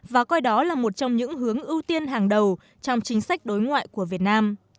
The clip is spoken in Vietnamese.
và coi đó là một trong những hướng ưu tiên hàng đầu trong chính sách đối ngoại của việt nam